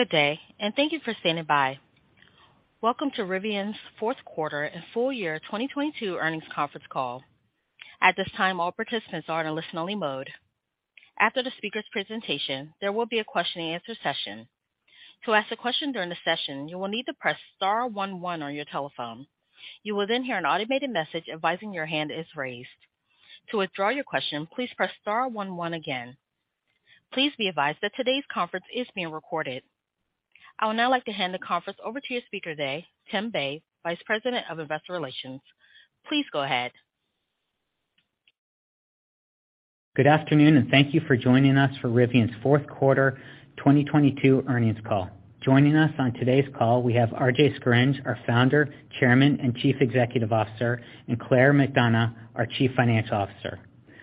Good day, and thank you for standing by. Welcome to Rivian's Fourth Quarter and Full Year 2022 Earnings Conference Call. At this time, all participants are in a listen only mode. After the speaker's presentation, there will be a question-and-answer session. To ask a question during the session, you will need to press star one one on your telephone. You will then hear an automated message advising your hand is raised. To withdraw your question, please press star one one again. Please be advised that today's conference is being recorded. I would now like to hand the conference over to your speaker today, Tim Bei, Vice President of Investor Relations. Please go ahead. Good afternoon. Thank you for joining us for Rivian's fourth quarter 2022 earnings call. Joining us on today's call, we have RJ Scaringe, our Founder, Chairman, and Chief Executive Officer, and Claire McDonough, our Chief Financial Officer.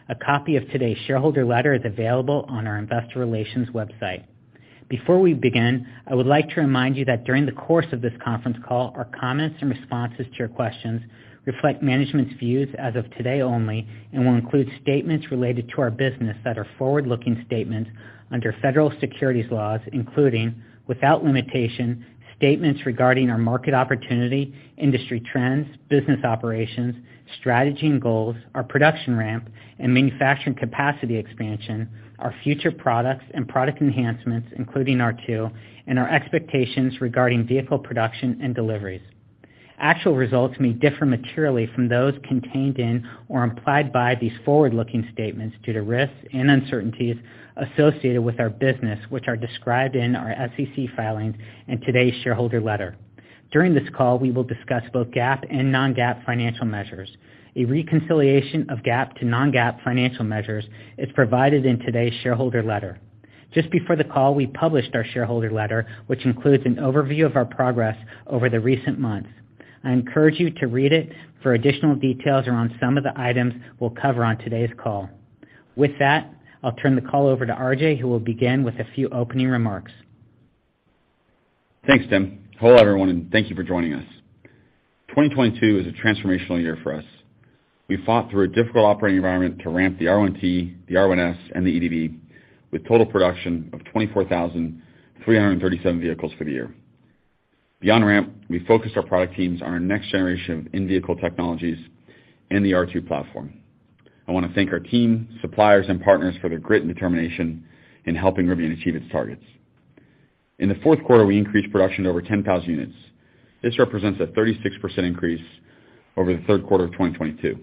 A copy of today's shareholder letter is available on our Investor Relations website. Before we begin, I would like to remind you that during the course of this conference call, our comments and responses to your questions reflect management's views as of today only and will include statements related to our business that are forward-looking statements under federal securities laws, including, without limitation, statements regarding our market opportunity, industry trends, business operations, strategy and goals, our production ramp and manufacturing capacity expansion, our future products and product enhancements, including R2, and our expectations regarding vehicle production and deliveries. Actual results may differ materially from those contained in or implied by these forward-looking statements due to risks and uncertainties associated with our business, which are described in our SEC filings and today's shareholder letter. During this call, we will discuss both GAAP and non-GAAP financial measures. A reconciliation of GAAP to non-GAAP financial measures is provided in today's shareholder letter. Just before the call, we published our shareholder letter, which includes an overview of our progress over the recent months. I encourage you to read it for additional details around some of the items we'll cover on today's call. With that, I'll turn the call over to RJ, who will begin with a few opening remarks. Thanks, Tim. Hello, everyone, thank you for joining us. 2022 was a transformational year for us. We fought through a difficult operating environment to ramp the R1T, the R1S, and the EDV with total production of 24,337 vehicles for the year. Beyond ramp, we focused our product teams on our next generation of in-vehicle technologies and the R2 platform. I want to thank our team, suppliers, and partners for their grit and determination in helping Rivian achieve its targets. In the fourth quarter, we increased production to over 10,000 units. This represents a 36% increase over the third quarter of 2022.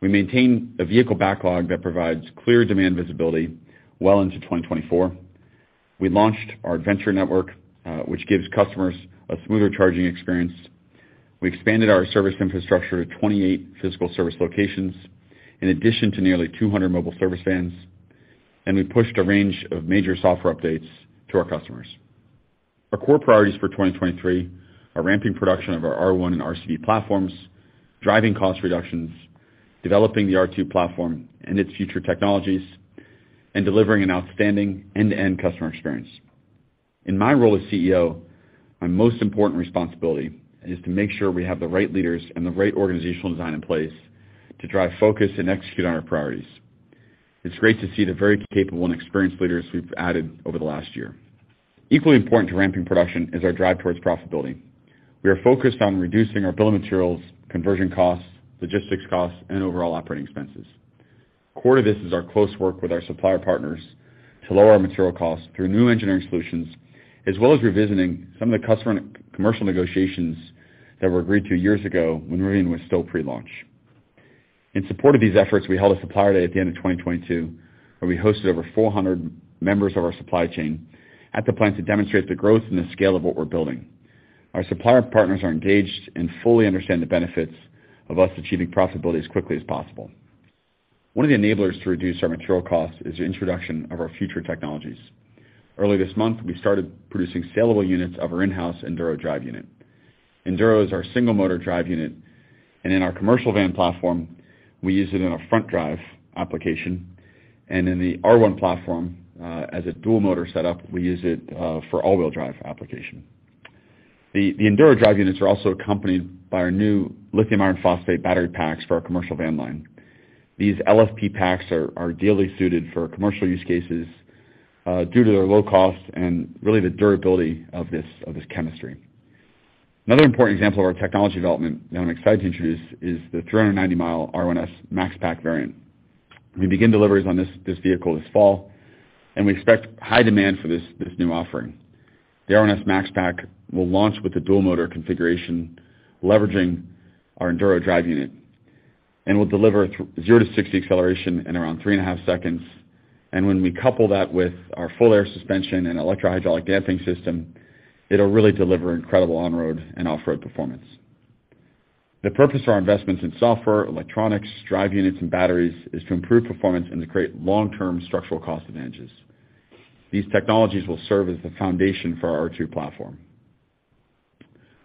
We maintained a vehicle backlog that provides clear demand visibility well into 2024. We launched our Rivian Adventure Network, which gives customers a smoother charging experience. We expanded our service infrastructure to 28 physical service locations, in addition to nearly 200 mobile service vans. We pushed a range of major software updates to our customers. Our core priorities for 2023 are ramping production of our R1 and RCV platforms, driving cost reductions, developing the R2 platform and its future technologies, and delivering an outstanding end-to-end customer experience. In my role as CEO, my most important responsibility is to make sure we have the right leaders and the right organizational design in place to drive focus and execute on our priorities. It's great to see the very capable and experienced leaders we've added over the last year. Equally important to ramping production is our drive towards profitability. We are focused on reducing our bill of materials, conversion costs, logistics costs, and overall operating expenses. Core to this is our close work with our supplier partners to lower our material costs through new engineering solutions, as well as revisiting some of the customer and commercial negotiations that were agreed to years ago when Rivian was still pre-launch. In support of these efforts, we held a Supplier Day at the end of 2022, where we hosted over 400 members of our supply chain at the plant to demonstrate the growth and the scale of what we're building. Our supplier partners are engaged and fully understand the benefits of us achieving profitability as quickly as possible. One of the enablers to reduce our material costs is the introduction of our future technologies. Early this month, we started producing saleable units of our in-house Enduro drive unit. Enduro is our single motor drive unit, and in our commercial van platform, we use it in a front drive application, and in the R1 platform, as a dual motor setup, we use it for all-wheel drive application. The Enduro drive units are also accompanied by our new lithium iron phosphate battery packs for our commercial van line. These LFP packs are ideally suited for commercial use cases due to their low cost and really the durability of this chemistry. Another important example of our technology development that I'm excited to introduce is the 390 mi R1S Max Pack variant. We begin deliveries on this vehicle this fall, and we expect high demand for this new offering. The R1S Max Pack will launch with a Dual-Motor configuration, leveraging our Enduro drive unit, will deliver zero to 60 in around 3.5 seconds. And when we couple that with our full air suspension and electrohydraulic damping system, it'll really deliver incredible on-road and off-road performance. The purpose of our investments in software, electronics, drive units, and batteries is to improve performance and to create long-term structural cost advantages. These technologies will serve as the foundation for our R2 platform.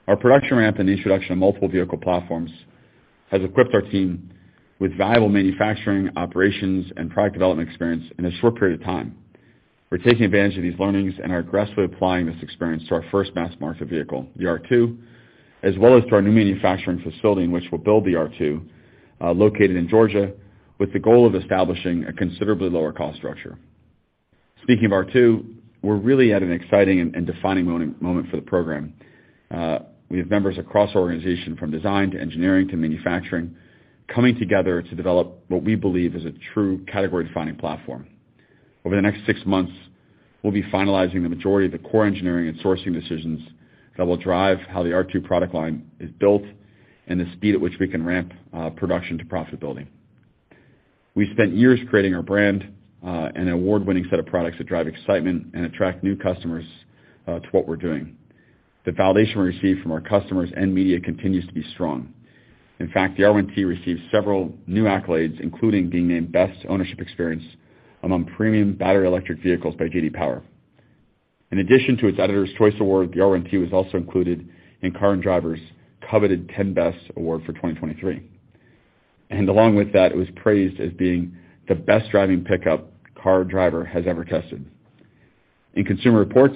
Our production ramp and the introduction of multiple vehicle platforms has equipped our team with valuable manufacturing, operations, and product development experience in a short period of time. We're taking advantage of these learnings and are aggressively applying this experience to our first mass market vehicle, the R2, as well as to our new manufacturing facility in which we'll build the R2. Located in Georgia, with the goal of establishing a considerably lower cost structure. Speaking of R2, we're really at an exciting and defining moment for the program. We have members across our organization from design to engineering to manufacturing, coming together to develop what we believe is a true category-defining platform. Over the next six months, we'll be finalizing the majority of the core engineering and sourcing decisions that will drive how the R2 product line is built and the speed at which we can ramp production to profitability. We spent years creating our brand, and an award-winning set of products that drive excitement and attract new customers to what we're doing. The validation we received from our customers and media continues to be strong. In fact, the R1T received several new accolades, including being named Best Ownership Experience among premium battery electric vehicles by J.D. Power. In addition to its Editors' Choice Award, the R1T was also included in Car and Driver's coveted 10Best Award for 2023. Along with that, it was praised as being the best driving pickup Car and Driver has ever tested. In Consumer Reports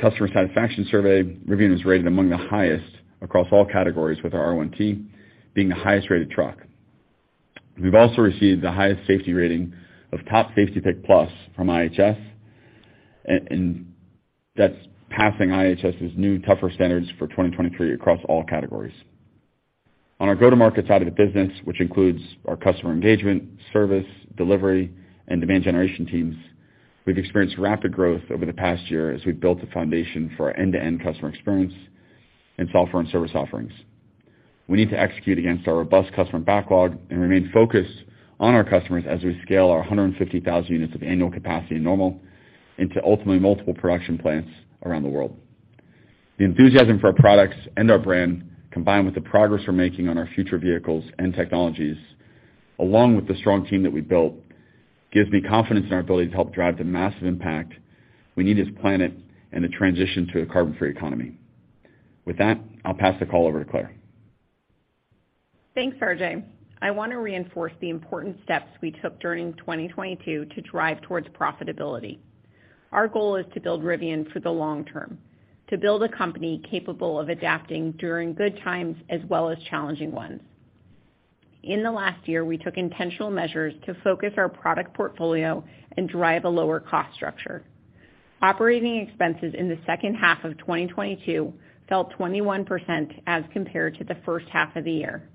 customer satisfaction survey, Rivian was rated among the highest across all categories, with our R1T being the highest-rated truck. We've also received the highest safety rating of TOP SAFETY PICK+ from IIHS, and that's passing IIHS's new tougher standards for 2023 across all categories. On our go-to-market side of the business, which includes our customer engagement, service, delivery, and demand generation teams, we've experienced rapid growth over the past year as we've built the foundation for our end-to-end customer experience and software and service offerings. We need to execute against our robust customer backlog and remain focused on our customers as we scale our 150,000 units of annual capacity in Normal into ultimately multiple production plants around the world. The enthusiasm for our products and our brand, combined with the progress we're making on our future vehicles and technologies, along with the strong team that we built, gives me confidence in our ability to help drive the massive impact we need as a planet and the transition to a carbon-free economy. With that, I'll pass the call over to Claire. Thanks, RJ. I want to reinforce the important steps we took during 2022 to drive towards profitability. Our goal is to build Rivian for the long term, to build a company capable of adapting during good times as well as challenging ones. In the last year, we took intentional measures to focus our product portfolio and drive a lower cost structure. Operating expenses in the second half of 2022 fell 21% as compared to the first half of the year.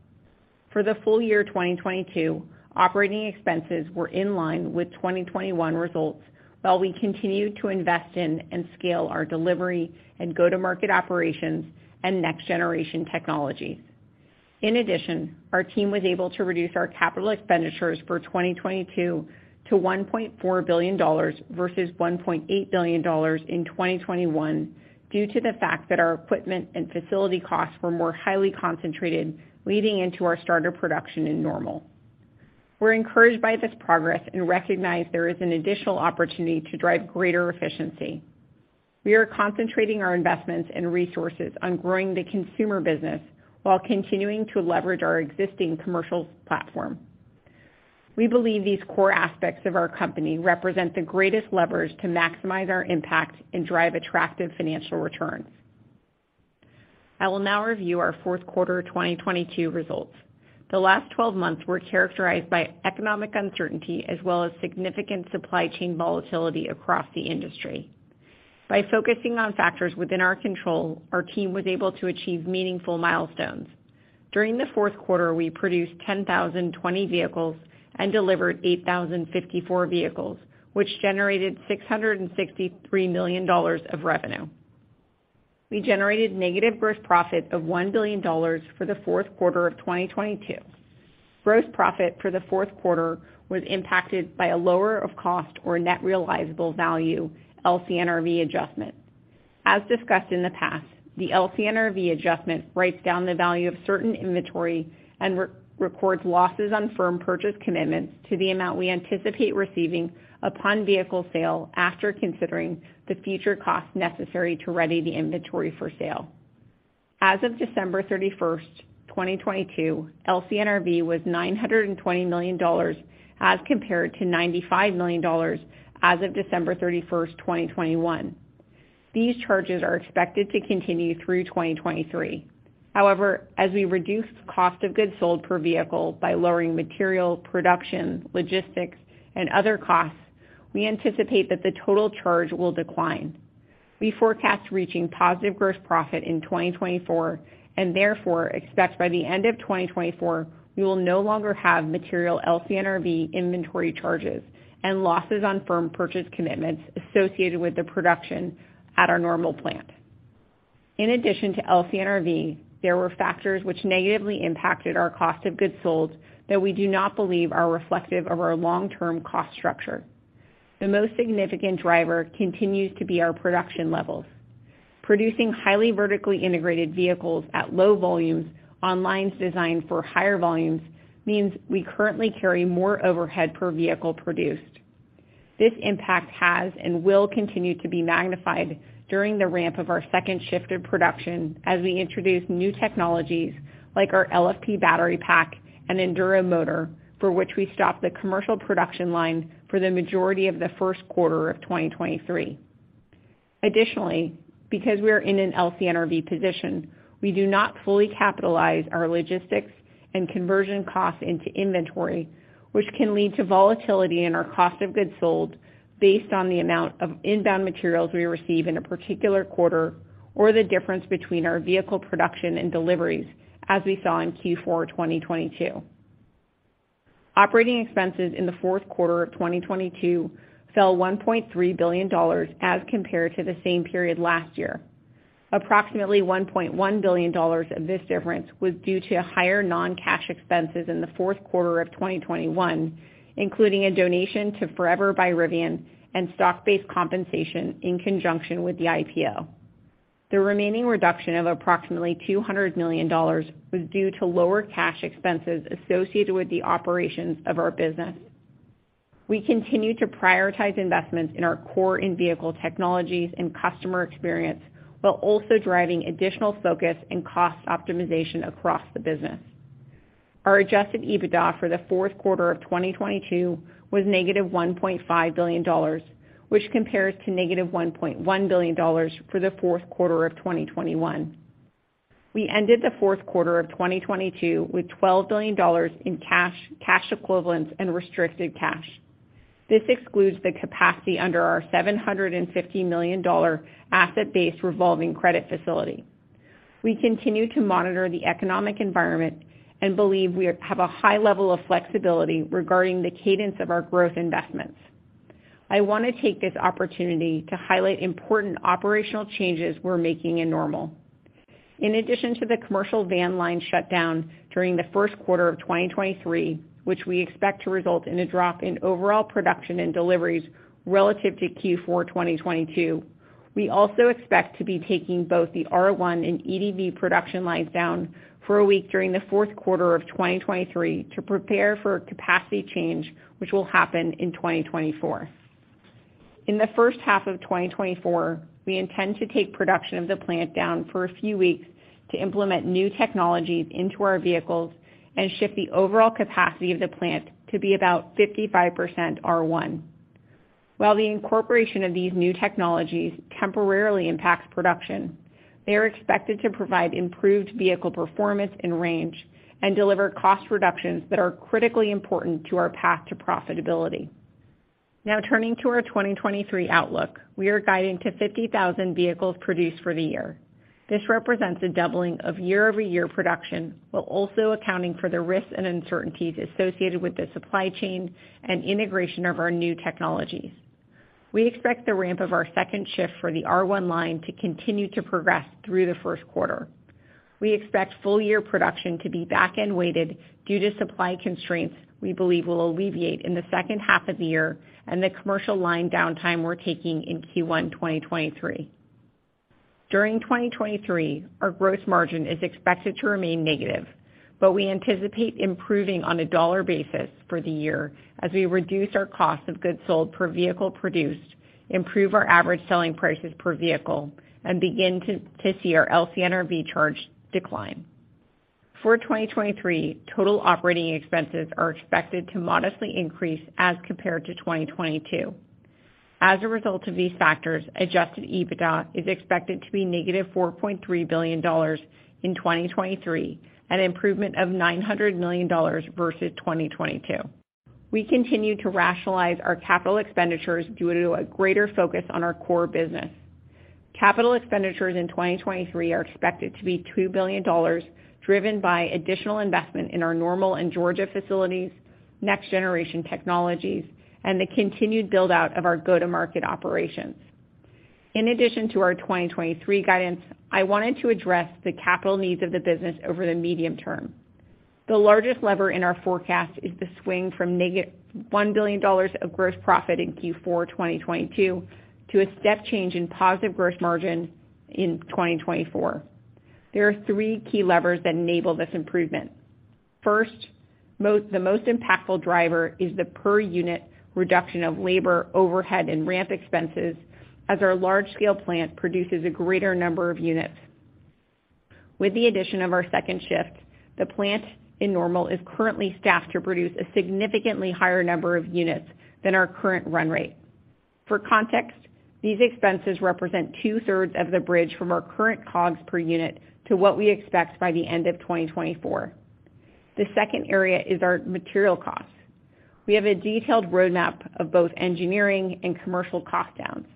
For the full year 2022, operating expenses were in line with 2021 results, while we continued to invest in and scale our delivery and go-to-market operations and next-generation technologies. Our team was able to reduce our CapEx for 2022 to $1.4 billion, versus $1.8 billion in 2021 due to the fact that our equipment and facility costs were more highly concentrated leading into our starter production in Normal. We're encouraged by this progress and recognize there is an additional opportunity to drive greater efficiency. We are concentrating our investments and resources on growing the consumer business while continuing to leverage our existing commercial platform. We believe these core aspects of our company represent the greatest leverage to maximize our impact and drive attractive financial returns. I will now review our fourth quarter 2022 results. The last 12 months were characterized by economic uncertainty as well as significant supply chain volatility across the industry. By focusing on factors within our control, our team was able to achieve meaningful milestones. During the fourth quarter, we produced 10,020 vehicles and delivered 8,054 vehicles, which generated $663 million of revenue. We generated negative gross profit of $1 billion for the fourth quarter of 2022. Gross profit for the fourth quarter was impacted by a Lower of Cost or Net Realizable Value, LCNRV adjustment. As discussed in the past, the LCNRV adjustment writes down the value of certain inventory and re-records losses on firm purchase commitments to the amount we anticipate receiving upon vehicle sale, after considering the future costs necessary to ready the inventory for sale. As of December 31st, 2022, LCNRV was $920 million as compared to $95 million as of December 31st, 2021. These charges are expected to continue through 2023. However, as we reduce cost of goods sold per vehicle by lowering material, production, logistics, and other costs, we anticipate that the total charge will decline. We forecast reaching positive gross profit in 2024, and therefore, expect by the end of 2024, we will no longer have material LCNRV inventory charges and losses on firm purchase commitments associated with the production at our Normal plant. In addition to LCNRV, there were factors which negatively impacted our cost of goods sold that we do not believe are reflective of our long-term cost structure. The most significant driver continues to be our production levels. Producing highly vertically integrated vehicles at low volumes on lines designed for higher volumes means we currently carry more overhead per vehicle produced. This impact has and will continue to be magnified during the ramp of our second shift of production as we introduce new technologies like our LFP battery pack and Enduro motor, for which we stopped the commercial production line for the majority of the first quarter of 2023. Because we are in an LCNRV position, we do not fully capitalize our logistics and conversion costs into inventory, which can lead to volatility in our cost of goods sold based on the amount of inbound materials we receive in a particular quarter, or the difference between our vehicle production and deliveries, as we saw in Q4 2022. Operating expenses in the fourth quarter of 2022 fell $1.3 billion as compared to the same period last year. Approximately $1.1 billion of this difference was due to higher non-cash expenses in the fourth quarter of 2021, including a donation to Forever by Rivian and stock-based compensation in conjunction with the IPO. The remaining reduction of approximately $200 million was due to lower cash expenses associated with the operations of our business. We continue to prioritize investments in our core in-vehicle technologies and customer experience, while also driving additional focus and cost optimization across the business. Our adjusted EBITDA for the fourth quarter of 2022 was -$1.5 billion, which compares to -$1.1 billion for the fourth quarter of 2021. We ended the fourth quarter of 2022 with $12 billion in cash equivalents, and restricted cash. This excludes the capacity under our $750 million asset-based revolving credit facility. We continue to monitor the economic environment believe we have a high level of flexibility regarding the cadence of our growth investments. I want to take this opportunity to highlight important operational changes we're making in Normal. In addition to the commercial van line shutdown during the first quarter of 2023, which we expect to result in a drop in overall production and deliveries relative to Q4 2022, we also expect to be taking both the R1 and EDV production lines down for a week during the fourth quarter of 2023 to prepare for a capacity change which will happen in 2024. In the first half of 2024, we intend to take production of the plant down for a few weeks to implement new technologies into our vehicles and shift the overall capacity of the plant to be about 55% R1. While the incorporation of these new technologies temporarily impacts production, they are expected to provide improved vehicle performance and range and deliver cost reductions that are critically important to our path to profitability. Turning to our 2023 outlook. We are guiding to 50,000 vehicles produced for the year. This represents a doubling of year-over-year production, while also accounting for the risks and uncertainties associated with the supply chain and integration of our new technologies. We expect the ramp of our second shift for the R1 line to continue to progress through the first quarter. We expect full year production to be back-end weighted due to supply constraints we believe will alleviate in the second half of the year and the commercial line downtime we're taking in Q1, 2023. During 2023, our gross margin is expected to remain negative. We anticipate improving on a dollar basis for the year as we reduce our COGS per vehicle produced, improve our average selling prices per vehicle, and begin to see our LCNRV charge decline. For 2023, total operating expenses are expected to modestly increase as compared to 2022. As a result of these factors, adjusted EBITDA is expected to be -$4.3 billion in 2023, an improvement of $900 million versus 2022. We continue to rationalize our capital expenditures due to a greater focus on our core business. Capital expenditures in 2023 are expected to be $2 billion, driven by additional investment in our Normal and Georgia facilities, next generation technologies, and the continued build-out of our go-to-market operations. In addition to our 2023 guidance, I wanted to address the capital needs of the business over the medium term. The largest lever in our forecast is the swing from $1 billion of gross profit in Q4 2022 to a step change in positive gross margin in 2024. There are three key levers that enable this improvement. First, the most impactful driver is the per unit reduction of labor, overhead, and ramp expenses as our large scale plant produces a greater number of units. With the addition of our second shift, the plant in Normal is currently staffed to produce a significantly higher number of units than our current run rate. For context, these expenses represent 2/3 of the bridge from our current COGS per unit to what we expect by the end of 2024. The second area is our material costs. We have a detailed roadmap of both engineering and commercial cost downs.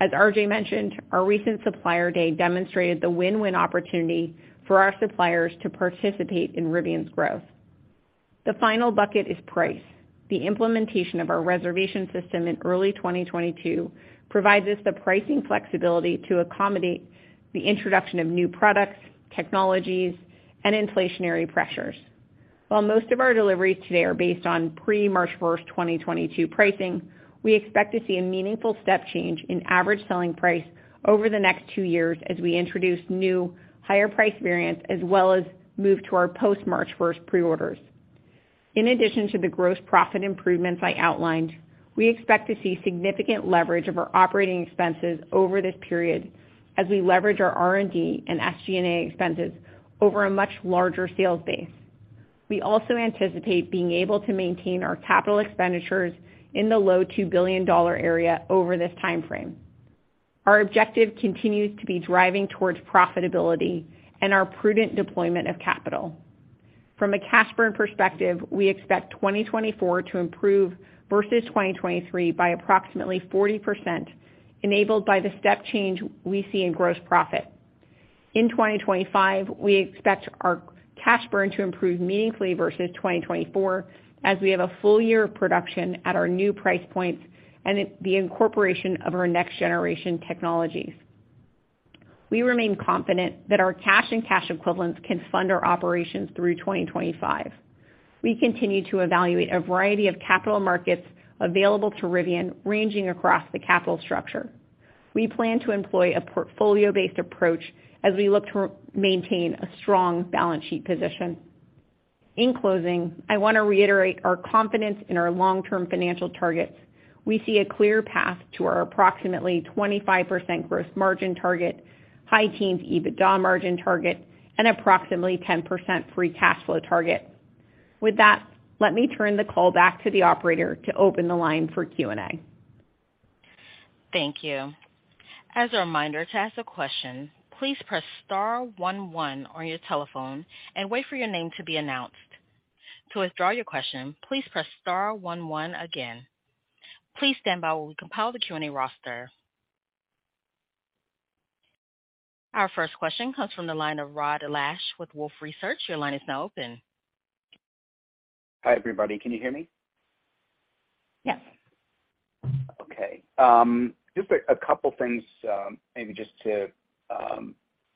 As RJ mentioned, our recent Supplier Day demonstrated the win-win opportunity for our suppliers to participate in Rivian's growth. The final bucket is price. The implementation of our reservation system in early 2022 provides us the pricing flexibility to accommodate the introduction of new products, technologies, and inflationary pressures. While most of our deliveries today are based on pre-March 1st, 2022 pricing, we expect to see a meaningful step change in average selling price over the next two years as we introduce new, higher price variants, as well as move to our post-March 1st pre-orders. In addition to the gross profit improvements I outlined, we expect to see significant leverage of our operating expenses over this period as we leverage our R&D and SG&A expenses over a much larger sales base. We also anticipate being able to maintain our capital expenditures in the low $2 billion area over this time frame. Our objective continues to be driving towards profitability and our prudent deployment of capital. From a cash burn perspective, we expect 2024 to improve versus 2023 by approximately 40%, enabled by the step change we see in gross profit. In 2025, we expect our cash burn to improve meaningfully versus 2024 as we have a full year of production at our new price points and the incorporation of our next generation technologies. We remain confident that our cash and cash equivalents can fund our operations through 2025. We continue to evaluate a variety of capital markets available to Rivian, ranging across the capital structure. We plan to employ a portfolio-based approach as we look to maintain a strong balance sheet position. In closing, I want to reiterate our confidence in our long-term financial targets. We see a clear path to our approximately 25% gross margin target, high teens EBITDA margin target, and approximately 10% free cash flow target. With that, let me turn the call back to the operator to open the line for Q&A. Thank you. As a reminder, to ask a question, please press star one one on your telephone and wait for your name to be announced. To withdraw your question, please press star one one again. Please stand by while we compile the Q&A roster. Our first question comes from the line of Rod Lache with Wolfe Research. Your line is now open. Hi, everybody. Can you hear me? Yes. Okay. Just a couple things, maybe just to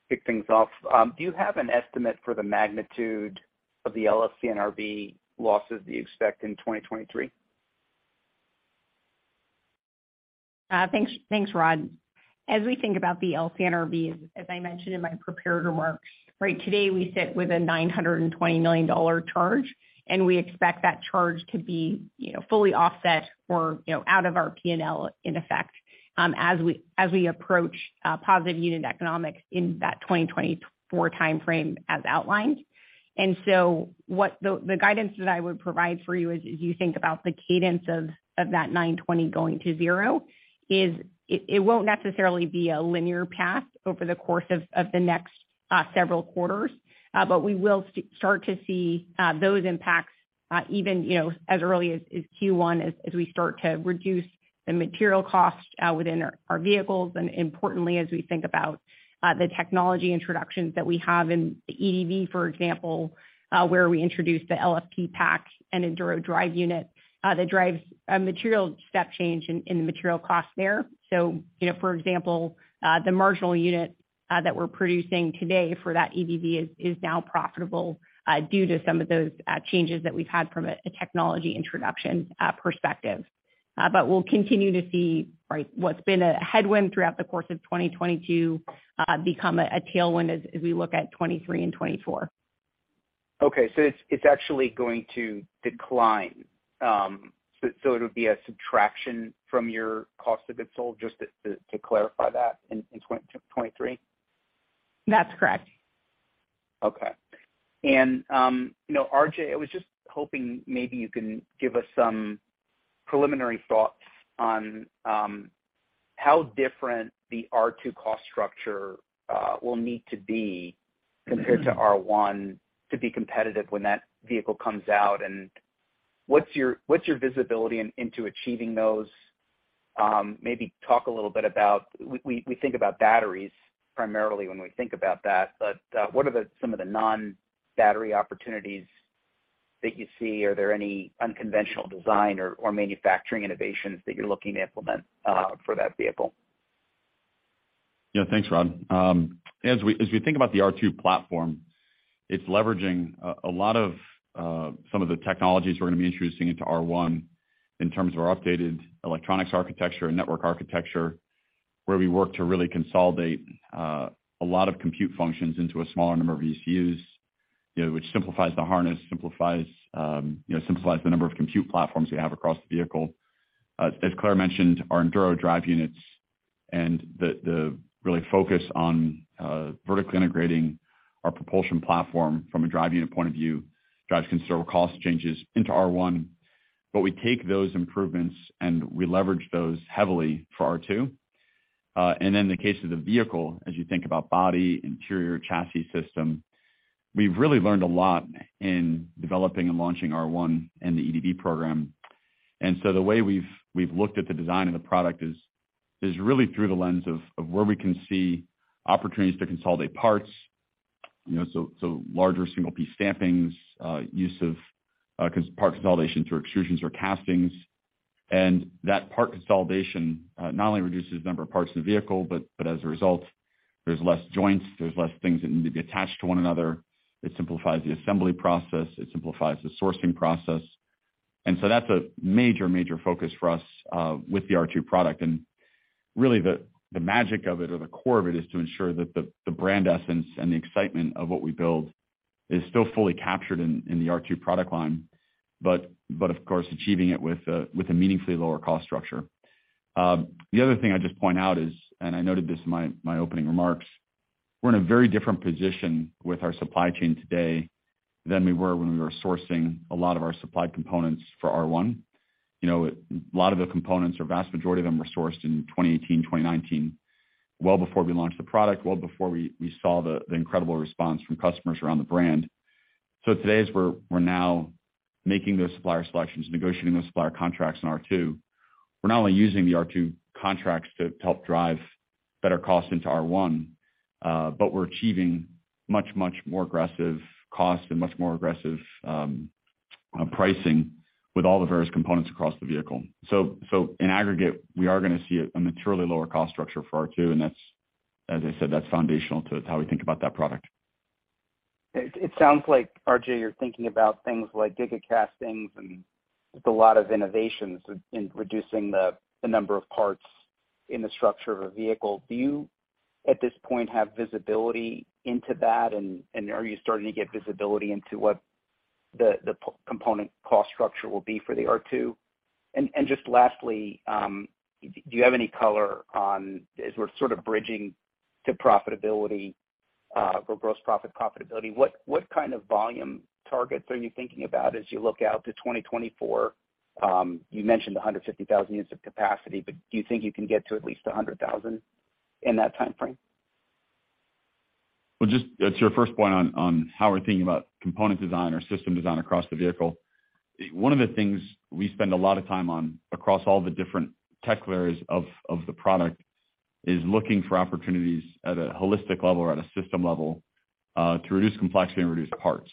kick things off. Do you have an estimate for the magnitude of the LCNRV losses do you expect in 2023? Thanks, thanks, Rod. As we think about the LCNRV, as I mentioned in my prepared remarks, right today, we sit with a $920 million charge, and we expect that charge to be, you know, fully offset or, you know, out of our P&L in effect, as we approach positive unit economics in that 2024 time frame as outlined. The guidance that I would provide for you as you think about the cadence of that $920 going to zero it won't necessarily be a linear path over the course of the next several quarters. But we will start to see those impacts even, you know, as early as Q1 as we start to reduce the material costs within our vehicles. Importantly, as we think about the technology introductions that we have in the EDV, for example, where we introduced the LFP pack and Enduro drive unit, that drives a material step change in the material cost there. You know, for example, the marginal unit that we're producing today for that EDV is now profitable due to some of those changes that we've had from a technology introduction perspective. We'll continue to see, right, what's been a headwind throughout the course of 2022, become a tailwind as we look at 2023 and 2024. Okay. It's actually going to decline. It would be a subtraction from your cost of goods sold, just to clarify that in 2023? That's correct. Okay. You know, RJ, I was just hoping maybe you can give us some preliminary thoughts on how different the R2 cost structure will need to be compared to R1 to be competitive when that vehicle comes out. What's your, what's your visibility in, into achieving those? Maybe talk a little bit about... We think about batteries primarily when we think about that, but what are the, some of the non-battery opportunities that you see? Are there any unconventional design or manufacturing innovations that you're looking to implement for that vehicle? Thanks, Rod. As we think about the R2 platform, it's leveraging a lot of some of the technologies we're gonna be introducing into R1 in terms of our updated electronics architecture and network architecture, where we work to really consolidate a lot of compute functions into a smaller number of ECUs, you know, which simplifies the harness, simplifies, you know, simplifies the number of compute platforms we have across the vehicle. As Claire mentioned, our Enduro drive units and the really focus on vertically integrating our propulsion platform from a drive unit point of view drives considerable cost changes into R1. We take those improvements, and we leverage those heavily for R2. In the case of the vehicle, as you think about body, interior, chassis system, we've really learned a lot in developing and launching R1 and the EDV program. The way we've looked at the design of the product is really through the lens of where we can see opportunities to consolidate parts, you know, so larger single piece stampings, use of part consolidations or extrusions or castings. That part consolidation not only reduces the number of parts in the vehicle, but as a result, there's less joints, there's less things that need to be attached to one another. It simplifies the assembly process. It simplifies the sourcing process. That's a major focus for us with the R2 product. Really the magic of it or the core of it is to ensure that the brand essence and the excitement of what we build is still fully captured in the R2 product line. But of course, achieving it with a meaningfully lower cost structure. The other thing I just point out is, I noted this in my opening remarks, we're in a very different position with our supply chain today than we were when we were sourcing a lot of our supplied components for R1. You know, a lot of the components or vast majority of them were sourced in 2018, 2019, well before we launched the product, well before we saw the incredible response from customers around the brand. Today, as we're now making those supplier selections, negotiating those supplier contracts in R2, we're not only using the R2 contracts to help drive better cost into R1, but we're achieving much more aggressive cost and much more aggressive pricing with all the various components across the vehicle. In aggregate, we are gonna see a materially lower cost structure for R2, and that's, as I said, that's foundational to how we think about that product. It sounds like, RJ, you're thinking about things like gigacastings and just a lot of innovations in reducing the number of parts in the structure of a vehicle. Do you, at this point, have visibility into that? Are you starting to get visibility into what the component cost structure will be for the R2? Just lastly, do you have any color on as we're sort of bridging to profitability, or gross profit profitability, what kind of volume targets are you thinking about as you look out to 2024? You mentioned 150,000 units of capacity, but do you think you can get to at least 100,000 in that timeframe? Well, just to your first point on how we're thinking about component design or system design across the vehicle. One of the things we spend a lot of time on across all the different tech layers of the product is looking for opportunities at a holistic level or at a system level to reduce complexity and reduce parts.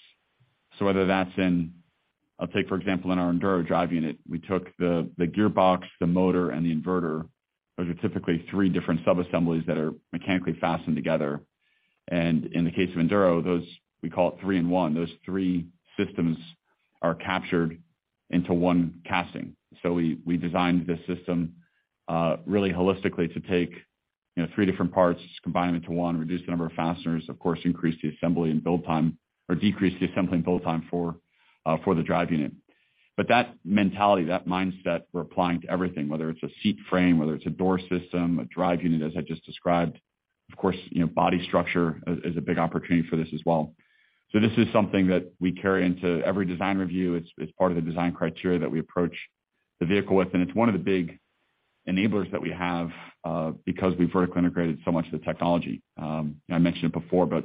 Whether that's I'll take, for example, in our Enduro drive unit, we took the gearbox, the motor, and the inverter. Those are typically three different sub-assemblies that are mechanically fastened together. In the case of Enduro, those we call it three in one. Those three systems are captured into one casting. We designed the system, really holistically to take, you know, three different parts, combine them into one, reduce the number of fasteners, of course, increase the assembly and build time or decrease the assembly and build time for the drive unit. That mentality, that mindset, we're applying to everything, whether it's a seat frame, whether it's a door system, a drive unit, as I just described. Of course, you know, body structure is a big opportunity for this as well. This is something that we carry into every design review. It's part of the design criteria that we approach the vehicle with, and it's one of the big enablers that we have, because we've vertically integrated so much of the technology. I mentioned it before, but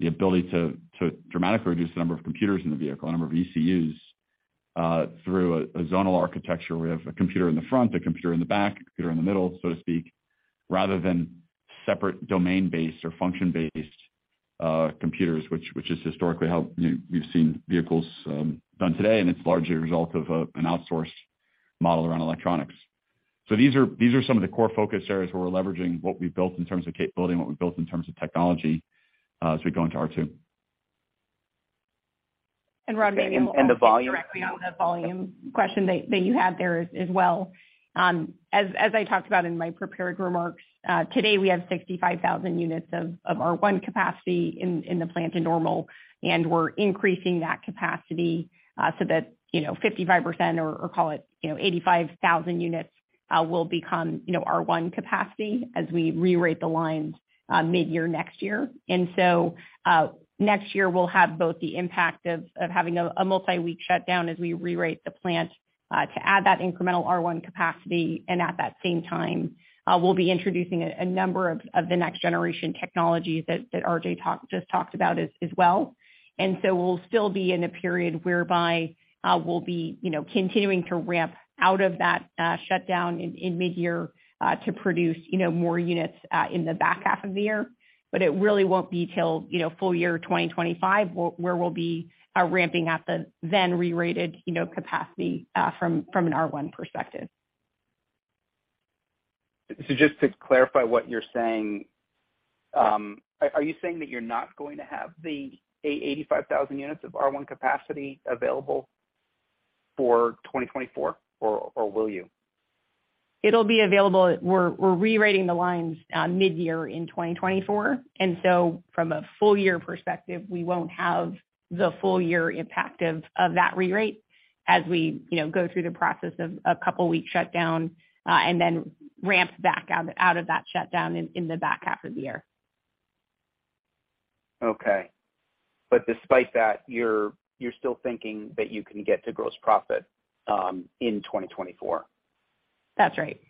the ability to dramatically reduce the number of computers in the vehicle, the number of ECUs, through a zonal architecture. We have a computer in the front, a computer in the back, a computer in the middle, so to speak, rather than separate domain-based or function-based computers, which is historically how, you know, we've seen vehicles done today, and it's largely a result of an outsourced model around electronics. These are some of the core focus areas where we're leveraging what we've built in terms of capability and what we've built in terms of technology as we go into R2. Rod, maybe. The volume... jump directly on the volume question that you had there as well. As I talked about in my prepared remarks, today we have 65,000 units of R1 capacity in the plant in Normal, and we're increasing that capacity so that, you know, 55% or, call it, you know, 85,000 units, will become, you know, R1 capacity as we rerate the lines mid-year next year. Next year we'll have both the impact of having a multi-week shutdown as we rerate the plant to add that incremental R1 capacity. At that same time, we'll be introducing a number of the next generation technologies that RJ just talked about as well. We'll still be in a period whereby, we'll be, you know, continuing to ramp out of that, shutdown in mid-year, to produce, you know, more units, in the back half of the year. It really won't be till, you know, full year 2025 where we'll be, ramping at the then rerate, you know, capacity, from an R1 perspective. Just to clarify what you're saying, are you saying that you're not going to have the 85,000 units of R1 capacity available for 2024, or will you? It'll be available. We're rerating the lines, mid-year in 2024, from a full year perspective, we won't have the full year impact of that rerate as we, you know, go through the process of a couple week shutdown, ramp back out of that shutdown in the back half of the year. Okay. despite that, you're still thinking that you can get to gross profit, in 2024? That's right.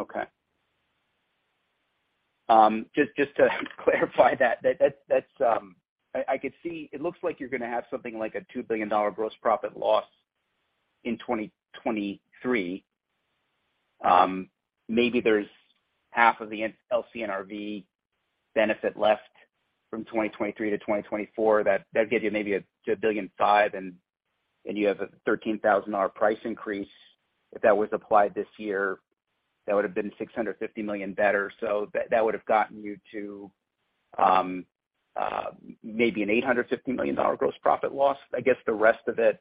Okay. Just to clarify that. That's, I could see it looks like you're gonna have something like a $2 billion gross profit loss in 2023. Maybe there's half of the LCNRV benefit left from 2023 to 2024. That gives you maybe $1.5 billion and you have a $13,000 price increase. If that was applied this year, that would've been $650 million better. That would've gotten you to maybe an $850 million gross profit loss. I guess the rest of it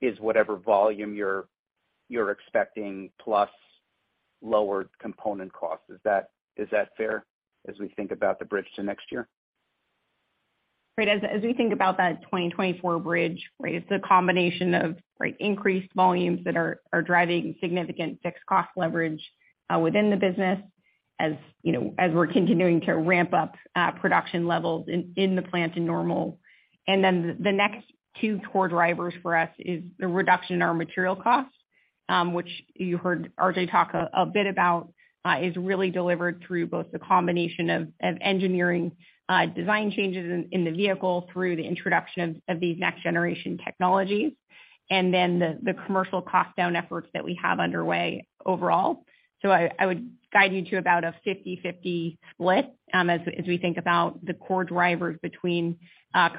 is whatever volume you're expecting plus... Lower component costs. Is that fair as we think about the bridge to next year? As we think about that 2024 bridge, it's a combination of increased volumes that are driving significant fixed cost leverage within the business. As you know, as we're continuing to ramp up production levels in the plant to normal. The next two core drivers for us is the reduction in our material costs, which you heard RJ talk a bit about, is really delivered through both the combination of engineering design changes in the vehicle through the introduction of these next generation technologies, and the commercial cost down efforts that we have underway overall. I would guide you to about a 50/50 split, as we think about the core drivers between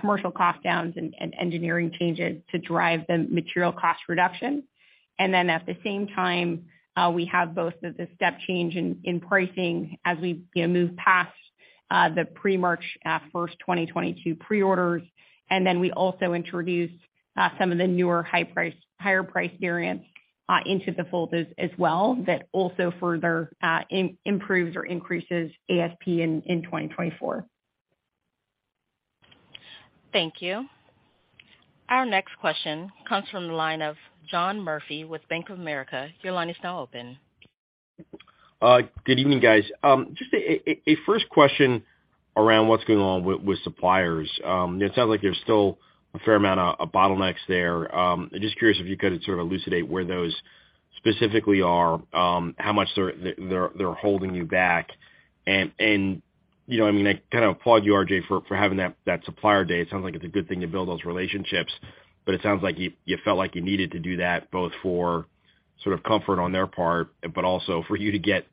commercial cost downs and engineering changes to drive the material cost reduction. At the same time, we have both the step change in pricing as we, you know, move past the pre-March 1st 2022 pre-orders. We also introduced some of the newer higher priced variants into the fold as well, that also further improves or increases ASP in 2024. Thank you. Our next question comes from the line of John Murphy with Bank of America. Your line is now open. Good evening, guys. Just a first question around what's going on with suppliers. I'm just curious if you could sort of elucidate where those specifically are, how much they're holding you back? You know, I mean, I kind of applaud you, RJ, for having that Supplier Day. It sounds like it's a good thing to build those relationships. It sounds like you felt like you needed to do that both for sort of comfort on their part, but also for you to get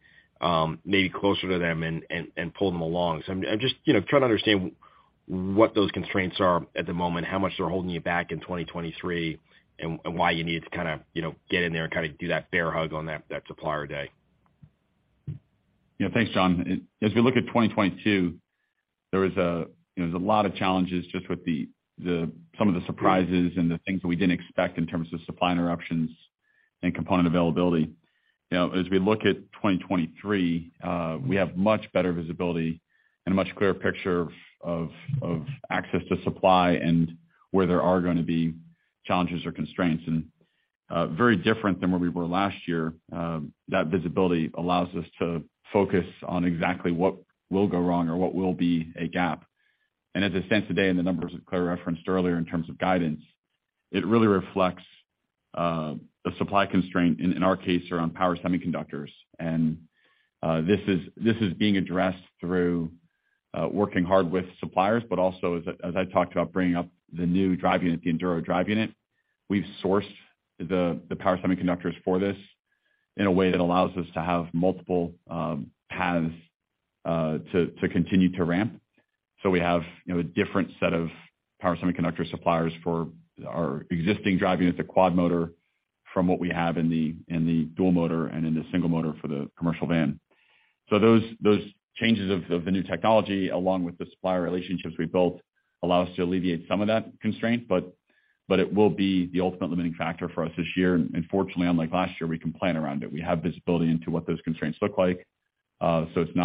maybe closer to them and pull them along. I'm just, you know, trying to understand what those constraints are at the moment, how much they're holding you back in 2023, and why you need to kind of, you know, get in there and kind of do that bear hug on that Supplier Day. Yeah. Thanks, John. As we look at 2022, there was a, you know, there was a lot of challenges just with the some of the surprises and the things that we didn't expect in terms of supply interruptions and component availability. You know, as we look at 2023, we have much better visibility and a much clearer picture of access to supply and where there are gonna be challenges or constraints. Very different than where we were last year, that visibility allows us to focus on exactly what will go wrong or what will be a gap. As I said today in the numbers that Claire referenced earlier in terms of guidance, it really reflects the supply constraint in our case around power semiconductors. This is being addressed through working hard with suppliers, but also as I talked about bringing up the new drive unit, the Enduro drive unit, we've sourced the power semiconductors for this in a way that allows us to have multiple paths to continue to ramp. We have, you know, a different set of power semiconductor suppliers for our existing drive units, the Quad-Motor, from what we have in the Dual-Motor and in the single motor for the commercial van. Those changes of the new technology, along with the supplier relationships we built, allow us to alleviate some of that constraint, but it will be the ultimate limiting factor for us this year. Fortunately, unlike last year, we can plan around it. We have visibility into what those constraints look like. It's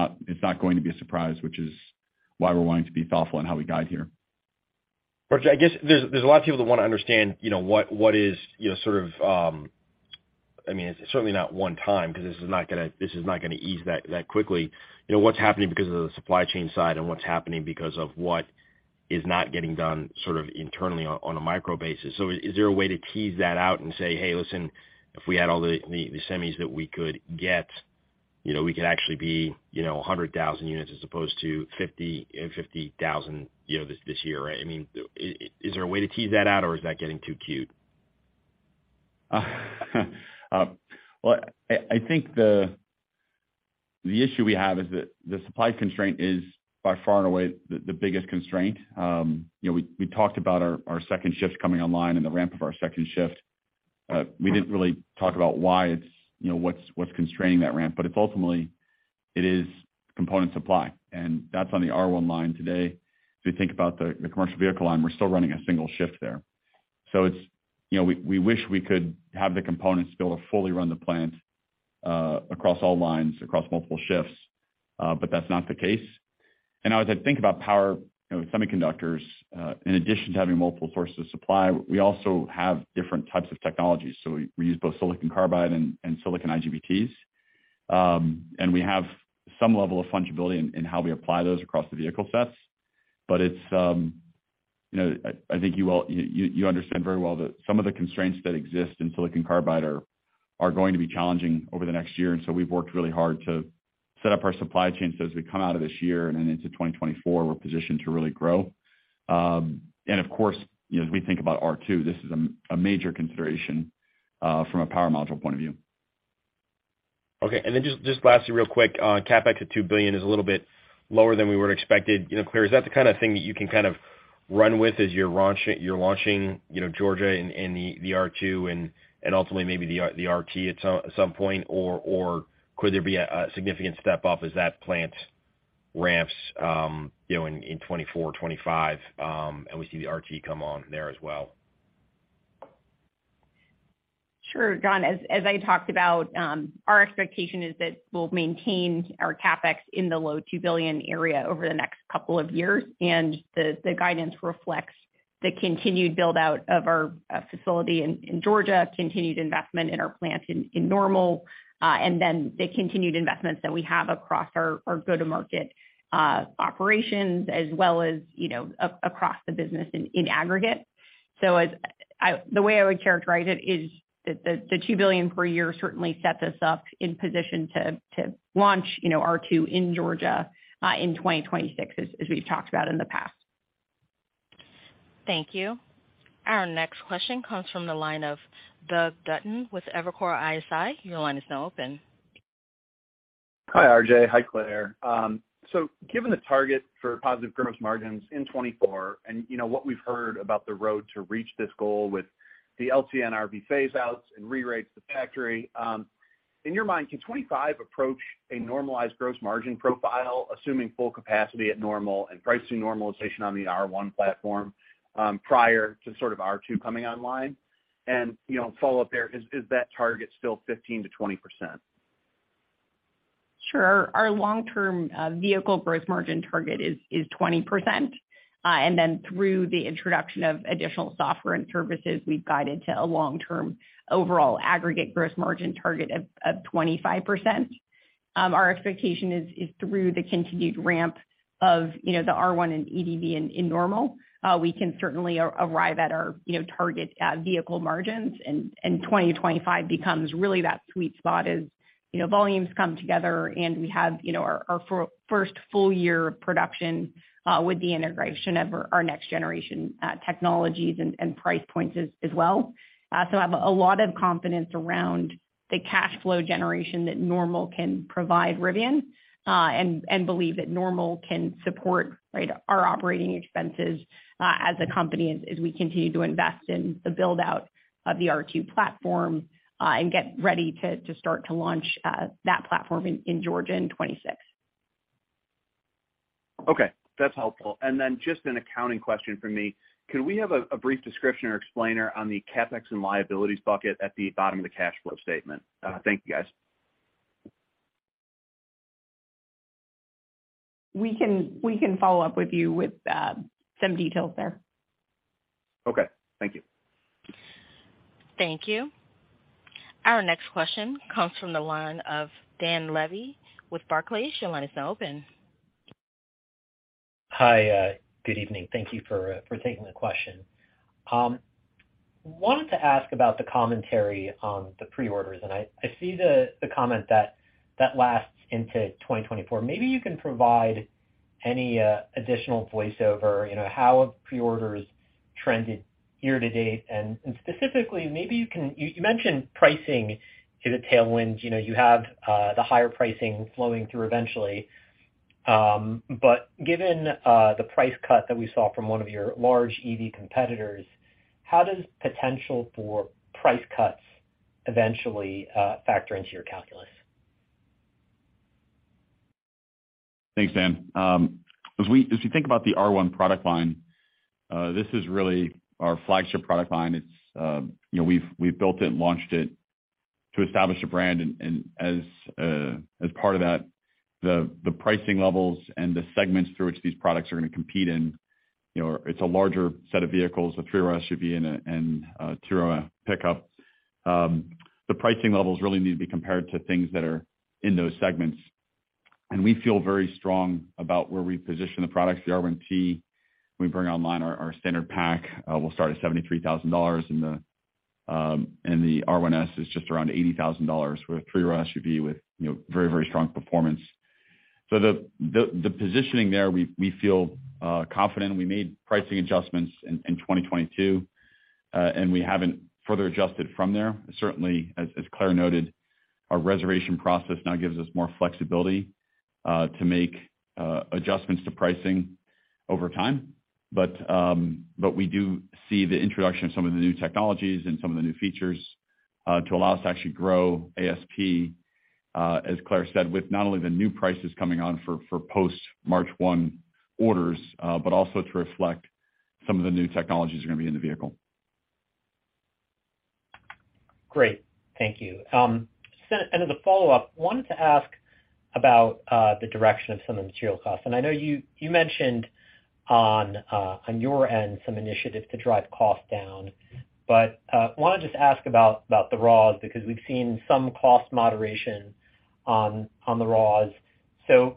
not going to be a surprise, which is why we're wanting to be thoughtful in how we guide here. RJ, I guess there's a lot of people that want to understand, you know, what is, you know, sort of. I mean, it's certainly not one time 'cause this is not gonna ease that quickly. You know, what's happening because of the supply chain side and what's happening because of what is not getting done sort of internally on a micro basis. Is there a way to tease that out and say, "Hey, listen, if we had all the semis that we could get, you know, we could actually be, you know, 100,000 units as opposed to 50,000, you know, this year," right? I mean, is there a way to tease that out, or is that getting too cute? Well, I think the issue we have is that the supply constraint is by far and away the biggest constraint. You know, we talked about our second shifts coming online and the ramp of our second shift. We didn't really talk about why it's, you know, what's constraining that ramp, but it's ultimately it is component supply, and that's on the R1 line today. If you think about the commercial vehicle line, we're still running a single shift there. It's, you know, we wish we could have the components to be able to fully run the plant, across all lines, across multiple shifts, but that's not the case. As I think about power, you know, semiconductors, in addition to having multiple sources of supply, we also have different types of technologies. We use both silicon carbide and silicon IGBTs. We have some level of fungibility in how we apply those across the vehicle sets. It's, you know, I think you all understand very well that some of the constraints that exist in silicon carbide are going to be challenging over the next year. We've worked really hard to set up our supply chain so as we come out of this year and into 2024, we're positioned to really grow. Of course, you know, as we think about R2, this is a major consideration from a power module point of view. Just lastly, real quick, CapEx at $2 billion is a little bit lower than we would've expected. You know, Claire, is that the kind of thing that you can kind of run with as you're launching, you know, Georgia and the R2 and ultimately maybe the R1T at some point, or could there be a significant step up as that plant ramps, you know, in 2024, 2025, and we see the R1T come on there as well? Sure, John. As I talked about, our expectation is that we'll maintain our CapEx in the low $2 billion area over the next couple of years. The guidance reflects the continued build-out of our facility in Georgia, continued investment in our plant in Normal, and then the continued investments that we have across our go-to-market operations as well as, you know, across the business in aggregate. The way I would characterize it is the $2 billion per year certainly sets us up in position to launch, you know, R2 in Georgia, in 2026, as we've talked about in the past. Thank you. Our next question comes from the line of Chris McNally with Evercore ISI. Your line is now open. Hi, RJ. Hi, Claire. Given the target for positive gross margins in 2024 and, you know, what we've heard about the road to reach this goal with the LCNRV phase outs and rerates to factory. In your mind, can 2025 approach a normalized gross margin profile, assuming full capacity at Normal and pricing normalization on the R1 platform, prior to sort of R2 coming online? Follow up there, is that target still 15%-20%? Sure. Our long-term vehicle gross margin target is 20%. Through the introduction of additional software and services, we've guided to a long-term overall aggregate gross margin target of 25%. Our expectation is through the continued ramp of, you know, the R1 and EDV in Normal, we can certainly arrive at our, you know, target vehicle margins. 2025 becomes really that sweet spot as, you know, volumes come together and we have, you know, our first full year of production with the integration of our next generation technologies and price points as well. I have a lot of confidence around the cash flow generation that Normal can provide Rivian, and believe that Normal can support, right, our operating expenses, as a company as we continue to invest in the build-out of the R2 platform, and get ready to start to launch, that platform in Georgia in 2026. Okay, that's helpful. Just an accounting question from me. Can we have a brief description or explainer on the CapEx and liabilities bucket at the bottom of the cash flow statement? Thank you, guys. We can follow up with you with some details there. Okay. Thank you. Thank you. Our next question comes from the line of Dan Levy with Barclays. Your line is now open. Hi. Good evening. Thank you for taking the question. Wanted to ask about the commentary on the pre-orders. I see the comment that that lasts into 2024. Maybe you can provide any additional voiceover, you know, how have pre-orders trended year to date? Specifically, you mentioned pricing is a tailwind. You know, you have the higher pricing flowing through eventually. Given the price cut that we saw from one of your large EV competitors, how does potential for price cuts eventually factor into your calculus? Thanks, Dan. If you think about the R1 product line, this is really our flagship product line. It's, you know, we've built it and launched it to establish a brand. As part of that, the pricing levels and the segments through which these products are gonna compete in, you know, it's a larger set of vehicles, a three-row SUV and a two-row pickup. The pricing levels really need to be compared to things that are in those segments. We feel very strong about where we position the products. The R1T, we bring online our standard pack, will start at $73,000. The R1S is just around $80,000 with three-row SUV with, you know, very strong performance. The positioning there, we feel confident. We made pricing adjustments in 2022, and we haven't further adjusted from there. Certainly, as Claire noted, our reservation process now gives us more flexibility to make adjustments to pricing over time. We do see the introduction of some of the new technologies and some of the new features to allow us to actually grow ASP, as Claire said, with not only the new prices coming on for post-March 1 orders, but also to reflect some of the new technologies that are gonna be in the vehicle. Great. Thank you. As a follow-up, wanted to ask about the direction of some of the material costs. I know you mentioned on your end some initiatives to drive costs down. want to just ask about the raws, because we've seen some cost moderation on the raws.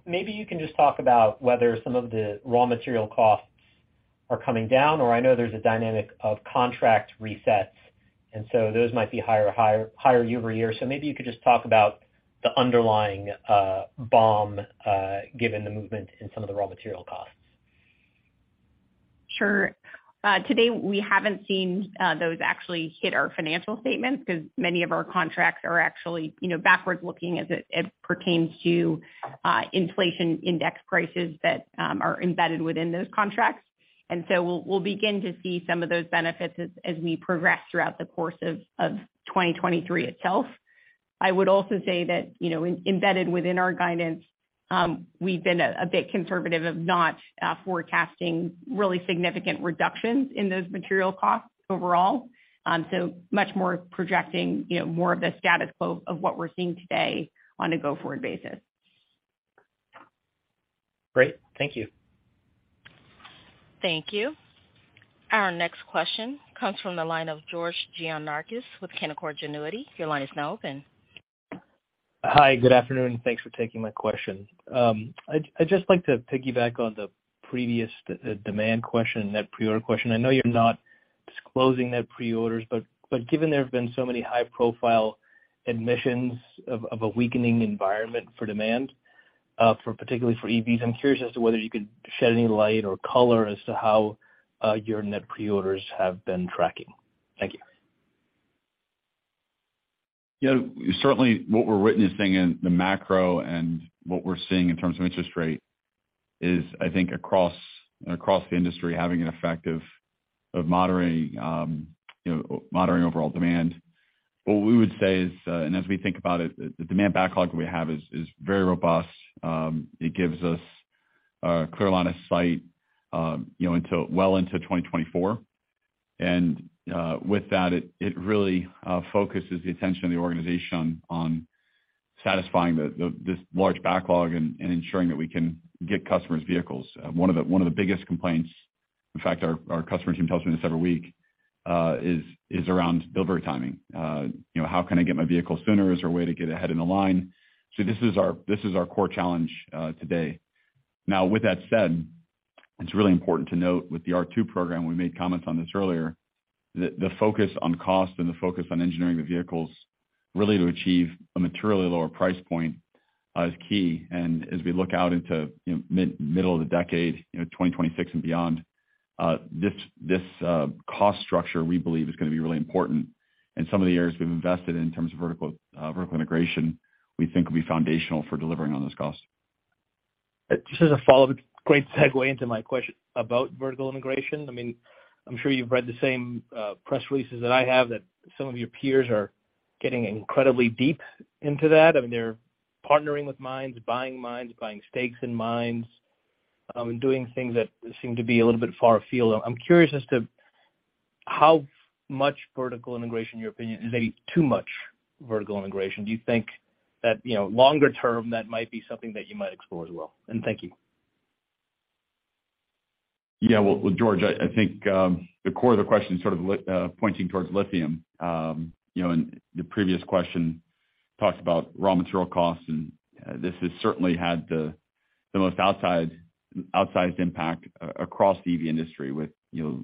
Maybe you can just talk about whether some of the raw material costs are coming down, or I know there's a dynamic of contract resets, and so those might be higher year-over-year. Maybe you could just talk about the underlying BOM given the movement in some of the raw material costs. Sure. today, we haven't seen those actually hit our financial statements 'cause many of our contracts are actually, you know, backwards looking as it pertains to inflation index prices that are embedded within those contracts. We'll begin to see some of those benefits as we progress throughout the course of 2023 itself. I would also say that, you know, embedded within our guidance. We've been a bit conservative of not forecasting really significant reductions in those material costs overall. Much more projecting, you know, more of the status quo of what we're seeing today on a go-forward basis. Great. Thank you. Thank you. Our next question comes from the line of George Gianarikas with Canaccord Genuity. Your line is now open. Hi, good afternoon. Thanks for taking my question. I'd just like to piggyback on the previous demand question, net pre-order question. I know you're not disclosing net pre-orders, but given there have been so many high-profile admissions of a weakening environment for demand, for particularly for EVs, I'm curious as to whether you could shed any light or color as to how your net pre-orders have been tracking. Thank you. Yeah. Certainly, what we're witnessing in the macro and what we're seeing in terms of interest rate is I think across the industry having an effect of moderating, you know, moderating overall demand. What we would say is, as we think about it, the demand backlog that we have is very robust. It gives us a clear line of sight, you know, until, well into 2024. With that, it really focuses the attention of the organization on satisfying the this large backlog and ensuring that we can get customers vehicles. One of the biggest complaints, in fact, our customer team tells me this every week, is around delivery timing. You know, how can I get my vehicle sooner? Is there a way to get ahead in the line? This is our core challenge today. With that said, it's really important to note with the R2 program, we made comments on this earlier, that the focus on cost and the focus on engineering the vehicles really to achieve a materially lower price point is key. As we look out into, you know, mid-middle of the decade, you know, 2026 and beyond, this cost structure we believe is gonna be really important. Some of the areas we've invested in in terms of vertical integration, we think will be foundational for delivering on those costs. Just as a follow-up, great segue into my question about vertical integration. I mean, I'm sure you've read the same press releases that I have that some of your peers are getting incredibly deep into that. I mean, they're partnering with mines, buying mines, buying stakes in mines, and doing things that seem to be a little bit far afield. I'm curious as to how much vertical integration, in your opinion, is maybe too much vertical integration. Do you think that, you know, longer term, that might be something that you might explore as well? Thank you. Yeah. Well, George, I think, the core of the question is sort of pointing towards lithium. You know, the previous question talks about raw material costs, and this has certainly had the most outsized impact across the EV industry with, you know,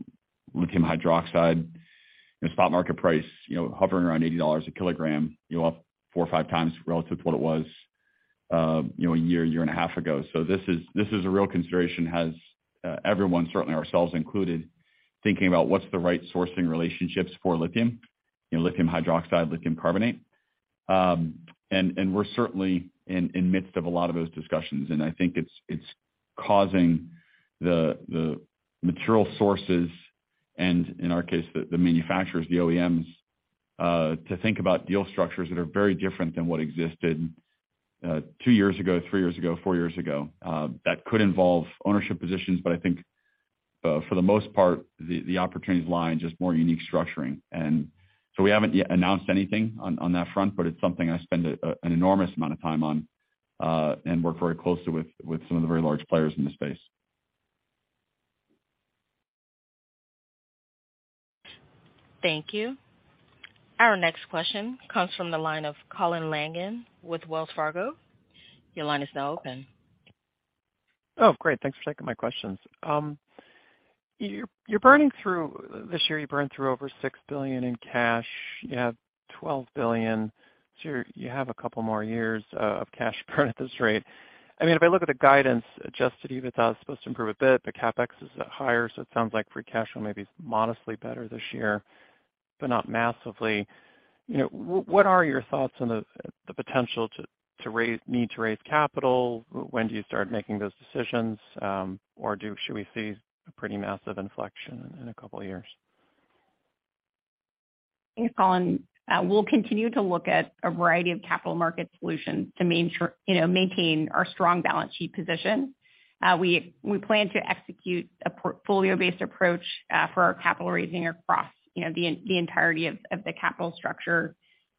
lithium hydroxide and spot market price, you know, hovering around $80 a kilogram, you know, up 4x or 5x relative to what it was, you know, a year and a half ago. This is a real consideration. Has everyone, certainly ourselves included, thinking about what's the right sourcing relationships for lithium, you know, lithium hydroxide, lithium carbonate. We're certainly in midst of a lot of those discussions. I think it's causing the material sources and in our case, the manufacturers, the OEMs, to think about deal structures that are very different than what existed, two years ago, three years ago, four years ago. That could involve ownership positions, but I think, for the most part the opportunities lie in just more unique structuring. We haven't yet announced anything on that front, but it's something I spend a, an enormous amount of time on, and work very closely with some of the very large players in the space. Thank you. Our next question comes from the line of Colin Langan with Wells Fargo. Your line is now open. Great. Thanks for taking my questions. You're burning through this year, you burned through over $6 billion in cash. You have $12 billion. You have a couple more years of cash burn at this rate. I mean, if I look at the guidance adjusted, EBITDA is supposed to improve a bit, but CapEx is higher. It sounds like free cash flow may be modestly better this year, but not massively. You know, what are your thoughts on the potential to need to raise capital? When do you start making those decisions? Should we see a pretty massive inflection in a couple of years? Thanks, Colin. We'll continue to look at a variety of capital market solutions to, you know, maintain our strong balance sheet position. We plan to execute a portfolio-based approach for our capital raising across, you know, the entirety of the capital structure.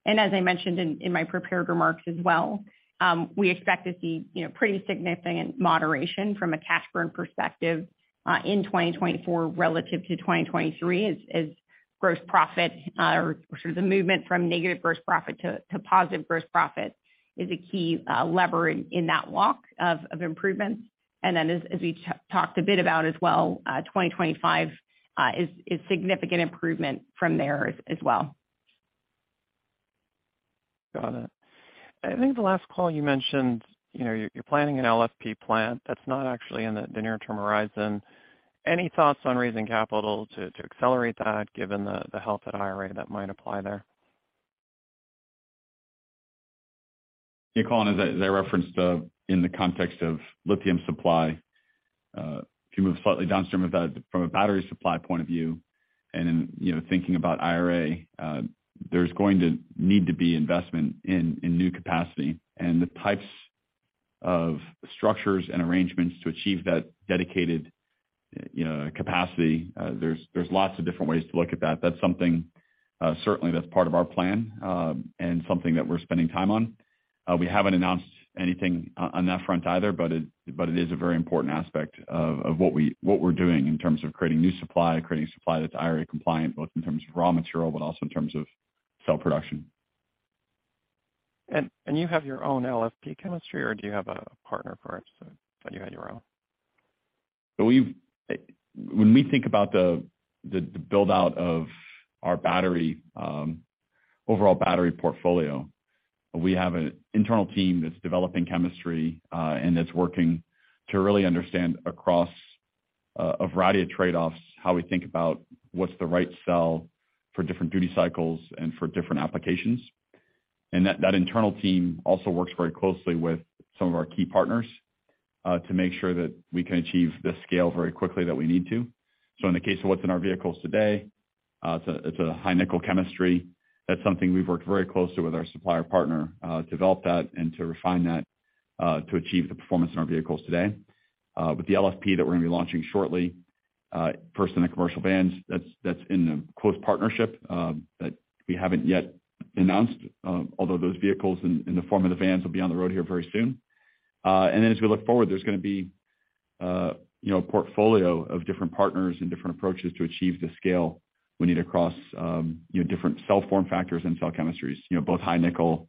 As I mentioned in my prepared remarks as well, we expect to see, you know, pretty significant moderation from a cash burn perspective in 2024 relative to 2023 as gross profit, or sort of the movement from negative gross profit to positive gross profit is a key lever in that walk of improvements. As we talked a bit about as well, 2025 is significant improvement from there as well. Got it. I think the last call you mentioned, you know, you're planning an LFP plant that's not actually in the near-term horizon. Any thoughts on raising capital to accelerate that given the help that IRA might apply there? Yeah, Colin, as I referenced in the context of lithium supply. If you move slightly downstream about from a battery supply point of view and, you know, thinking about IRA, there's going to need to be investment in new capacity and the types of structures and arrangements to achieve that dedicated, you know, capacity. There's lots of different ways to look at that. That's something, certainly that's part of our plan, and something that we're spending time on. We haven't announced anything on that front either, but it is a very important aspect of what we're doing in terms of creating new supply, creating supply that's IRA compliant, both in terms of raw material but also in terms of cell production. You have your own LFP chemistry or do you have a partner for it? Thought you had your own. When we think about the build out of our battery, overall battery portfolio, we have an internal team that's developing chemistry and that's working to really understand across a variety of trade-offs, how we think about what's the right cell for different duty cycles and for different applications. That internal team also works very closely with some of our key partners to make sure that we can achieve the scale very quickly that we need to. In the case of what's in our vehicles today, it's a high nickel chemistry. That's something we've worked very closely with our supplier partner to develop that and to refine that to achieve the performance in our vehicles today. With the LFP that we're gonna be launching shortly, first in the commercial vans. That's in a close partnership, that we haven't yet announced, although those vehicles in the form of the vans will be on the road here very soon. As we look forward, there's gonna be, you know, a portfolio of different partners and different approaches to achieve the scale we need across, you know, different cell form factors and cell chemistries, you know, both high nickel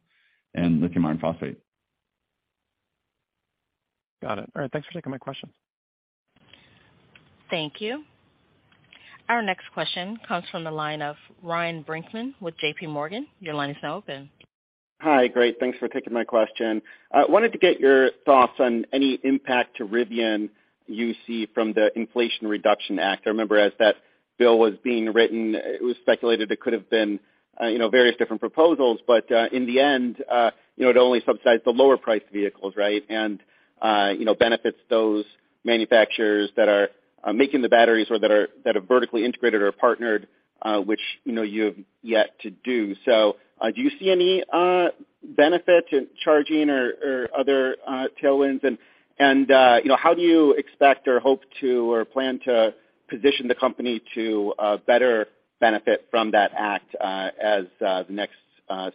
and lithium iron phosphate. Got it. All right. Thanks for taking my questions. Thank you. Our next question comes from the line of Ryan Brinkman with JPMorgan. Your line is now open. Hi. Great, thanks for taking my question. I wanted to get your thoughts on any impact to Rivian you see from the Inflation Reduction Act. I remember as that bill was being written, it was speculated it could have been, you know, various different proposals, but in the end, you know, it only subsidized the lower priced vehicles, right? And, you know, benefits those manufacturers that are making the batteries or that are, that are vertically integrated or partnered, which, you know, you have yet to do. Do you see any benefit to charging or other tailwinds? And, you know, how do you expect or hope to or plan to position the company to better benefit from that act, as the next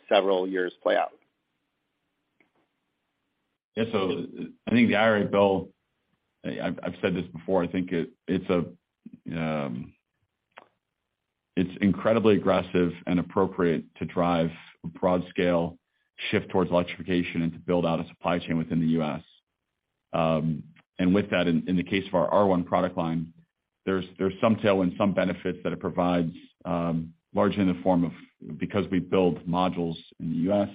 several years play out? Yeah. I think the IRA bill, I've said this before, I think it's incredibly aggressive and appropriate to drive a broad scale shift towards electrification and to build out a supply chain within the U.S. With that, in the case of our R1 product line, there's some tailwind, some benefits that it provides, largely in the form of because we build modules in the U.S.,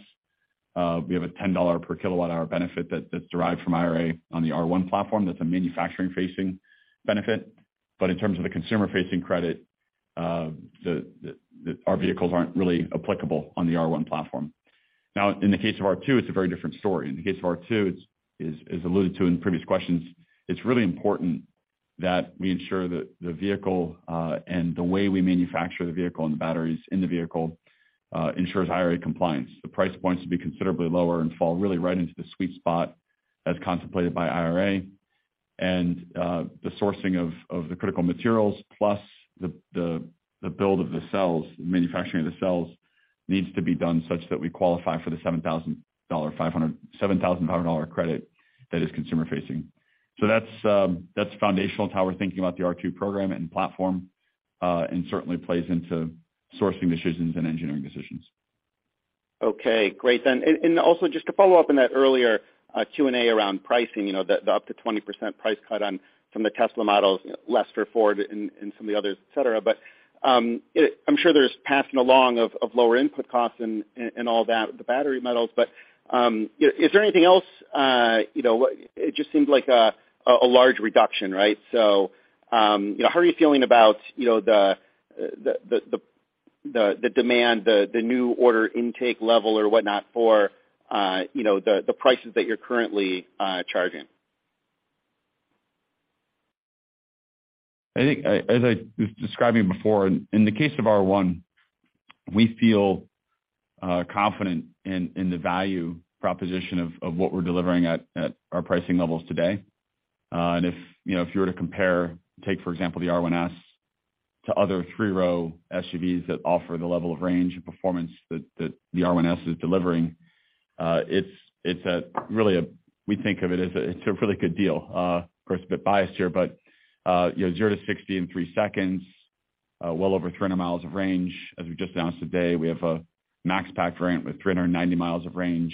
we have a $10 per kilowatt hour benefit that's derived from IRA on the R1 platform. That's a manufacturing facing benefit. In terms of the consumer facing credit, the our vehicles aren't really applicable on the R1 platform. In the case of R2, it's a very different story. In the case of R2, it's alluded to in previous questions. It's really important that we ensure that the vehicle, and the way we manufacture the vehicle and the batteries in the vehicle, ensures IRA compliance. The price points will be considerably lower and fall really right into the sweet spot as contemplated by IRA. The sourcing of the critical materials plus the build of the cells, manufacturing of the cells needs to be done such that we qualify for the $7,500 credit that is consumer facing. That's foundational to how we're thinking about the R2 program and platform, and certainly plays into sourcing decisions and engineering decisions. Okay, great. And also just to follow up on that earlier Q&A around pricing. You know, the up to 20% price cut on from the Tesla models, Ford and some of the others, et cetera. I'm sure there's passing along of lower input costs and all that with the battery metals. Is there anything else, you know, it just seems like a large reduction, right? You know, how are you feeling about, you know, the demand, the new order intake level or whatnot for, you know, the prices that you're currently charging? I think as I was describing before, in the case of R1, we feel confident in the value proposition of what we're delivering at our pricing levels today. If, you know, if you were to compare, take, for example, the R1S to other three-row SUVs that offer the level of range and performance that the R1S is delivering, we think of it as a, it's a really good deal. Of course, a bit biased here, but, you know, zero to 60 in three seconds, well over 300 mi of range. As we've just announced today, we have a Max pack range with 390 mi of range,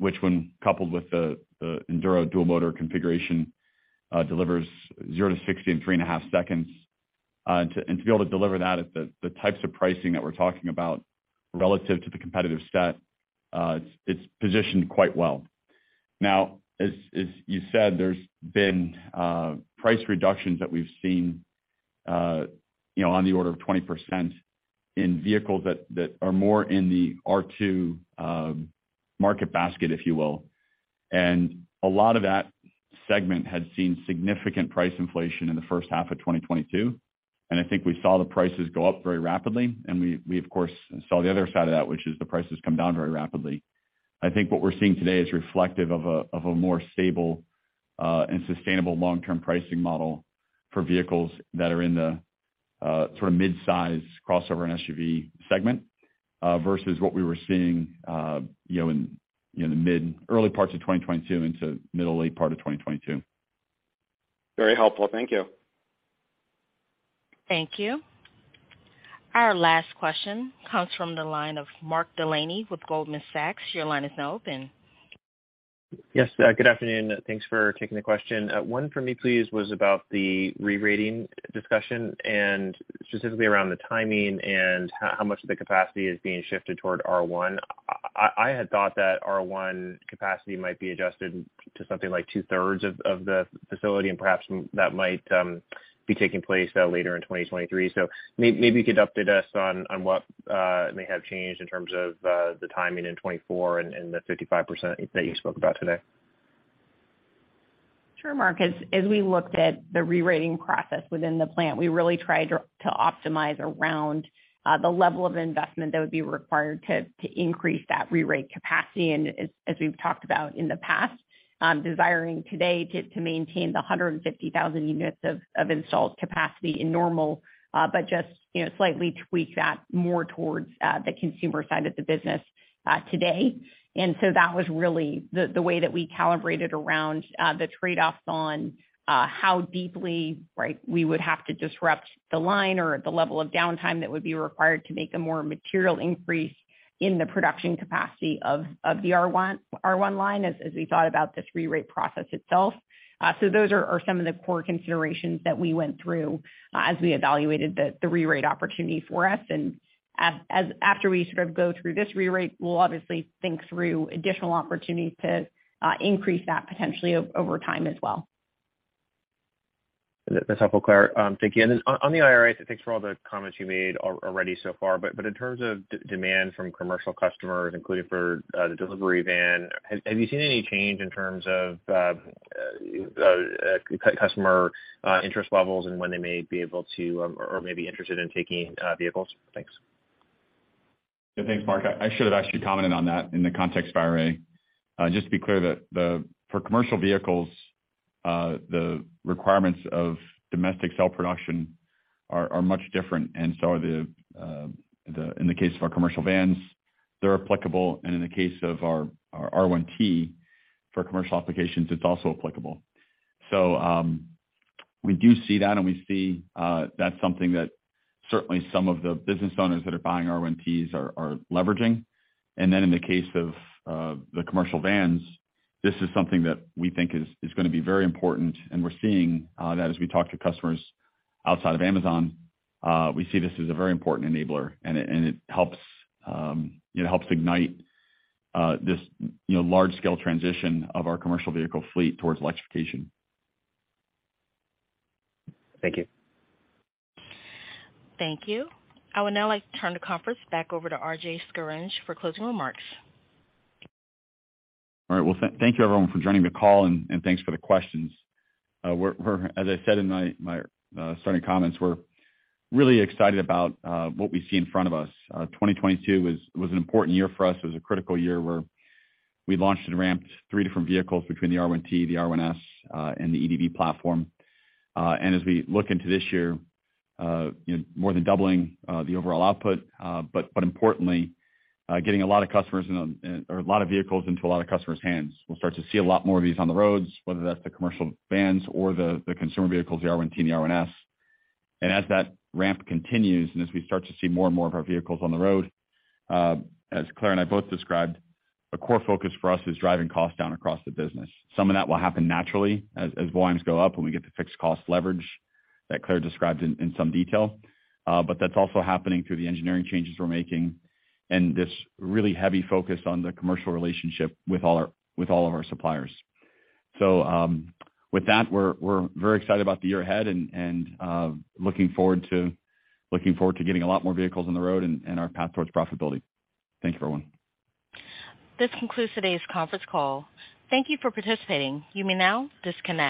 which when coupled with the Enduro Dual-Motor configuration delivers zero to 60 in 3.5 seconds. and to be able to deliver that at the types of pricing that we're talking about relative to the competitive set, it's positioned quite well. Now, as you said, there's been price reductions that we've seen, you know, on the order of 20% in vehicles that are more in the R2 market basket, if you will. A lot of that segment had seen significant price inflation in the first half of 2022. I think we saw the prices go up very rapidly, and we of course saw the other side of that, which is the prices come down very rapidly. I think what we're seeing today is reflective of a more stable and sustainable long-term pricing model for vehicles that are in the sort of midsize crossover and SUV segment, versus what we were seeing, you know, in, you know, the early parts of 2022 into middle late part of 2022. Very helpful. Thank you. Thank you. Our last question comes from the line of Mark Delaney with Goldman Sachs. Your line is now open. Yes. Good afternoon. Thanks for taking the question. One for me, please, was about the re-rating discussion and specifically around the timing and how much of the capacity is being shifted toward R1. I had thought that R1 capacity might be adjusted to something like 2/3 of the facility, and perhaps that might be taking place later in 2023. Maybe you could update us on what may have changed in terms of the timing in 2024 and the 55% that you spoke about today. Sure, Mark. As we looked at the re-rating process within the plant, we really tried to optimize around the level of investment that would be required to increase that re-rate capacity. As we've talked about in the past, desiring today to maintain the 150,000 units of installed capacity in normal, but just, you know, slightly tweak that more towards the consumer side of the business today. That was really the way that we calibrated around the trade-offs on how deeply, right, we would have to disrupt the line or the level of downtime that would be required to make a more material increase in the production capacity of the R1 line as we thought about this re-rate process itself. Those are some of the core considerations that we went through as we evaluated the re-rate opportunity for us. After we sort of go through this re-rate, we'll obviously think through additional opportunities to increase that potentially over time as well. That's helpful, Claire. Thank you. Then on the IRA, thanks for all the comments you made already so far. In terms of demand from commercial customers, including for the delivery van, have you seen any change in terms of customer interest levels and when they may be able to, or may be interested in taking vehicles? Thanks. Yeah, thanks, Mark. I should have actually commented on that in the context of IRA. Just to be clear that for commercial vehicles, the requirements of domestic cell production are much different, and so are in the case of our commercial vans, they're applicable. In the case of our R1T for commercial applications, it's also applicable. We do see that, and we see that's something that certainly some of the business owners that are buying R1Ts are leveraging. In the case of the commercial vans, this is something that we think is gonna be very important. We're seeing that as we talk to customers outside of Amazon, we see this as a very important enabler. It helps, you know, helps ignite, this, you know, large scale transition of our commercial vehicle fleet towards electrification. Thank you. Thank you. I would now like to turn the conference back over to RJ Scaringe for closing remarks. All right. Well, thank you everyone for joining the call, and thanks for the questions. We're as I said in my starting comments, we're really excited about what we see in front of us. 2022 was an important year for us. It was a critical year where we launched and ramped three different vehicles between the R1T, the R1S, and the EDV platform. As we look into this year, you know, more than doubling the overall output, but importantly, getting a lot of customers in a, or a lot of vehicles into a lot of customers' hands. We'll start to see a lot more of these on the roads, whether that's the commercial vans or the consumer vehicles, the R1T and the R1S. As that ramp continues, and as we start to see more and more of our vehicles on the road, as Claire and I both described, a core focus for us is driving costs down across the business. Some of that will happen naturally as volumes go up and we get the fixed cost leverage that Claire described in some detail. That's also happening through the engineering changes we're making and this really heavy focus on the commercial relationship with all of our suppliers. With that, we're very excited about the year ahead and looking forward to getting a lot more vehicles on the road and our path towards profitability. Thanks, everyone. This concludes today's conference call. Thank you for participating. You may now disconnect.